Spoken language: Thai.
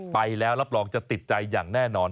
ไปแล้วรับรองจะติดใจอย่างแน่นอน